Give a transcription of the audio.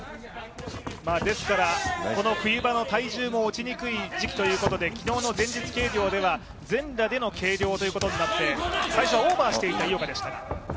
この冬場の体重も落ちにくい時期ということで昨日の前日計量では全裸での計量ということになって最初はオーバーしていた井岡でしたが。